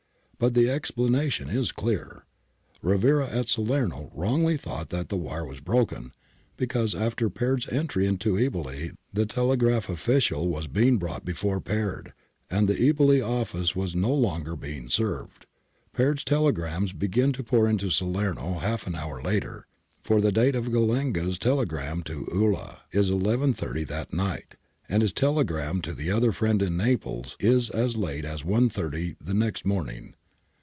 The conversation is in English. But the explanation is clear : Rivera at Salerno wrongly thought that the wire was broken, because after Peard's entry into Eboli the telegraph official was being brought before Peard, and the Eboli office was no longer being served. Peard's telegrams began to pour into Salerno half an hour later, for the date of Gallenga's telegram to Ulloa {Forbes, 225) is 1 1.30 that night, and his telegram to the other friend in Naples {Monnier, 273) is as late as 1.30 the next morning.